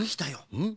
うん？